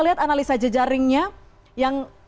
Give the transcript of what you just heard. lihat analisa jejaringnya yang